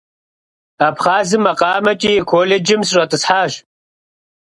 Абхъазым макъамэмкӀэ и колледжым сыщӀэтӀысхьащ.